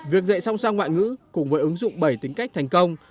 việc dạy song song ngoại ngữ cùng với ứng dụng bảy tính cách thành công